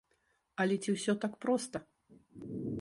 Але ці ўсё так проста?